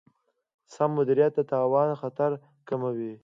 سم مدیریت د تاوان خطر کموي.